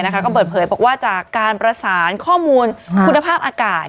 ก็เปิดเผยบอกว่าจากการประสานข้อมูลคุณภาพอากาศ